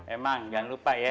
eh mang jangan lupa ya